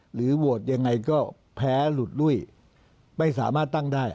หรือโหวตยังไงก็แพ้หลุดลุ้ยไม่สามารถตั้งได้